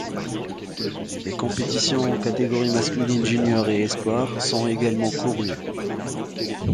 Des compétitions en catégories masculines juniors et espoirs sont également courues.